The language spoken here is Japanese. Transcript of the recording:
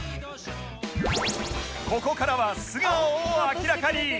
ここからは素顔を明らかに！